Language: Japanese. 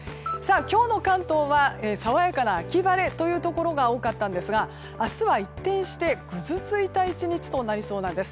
今日の関東は爽やかな秋晴れのところが多かったんですが明日は一転してぐずついた１日となりそうなんです。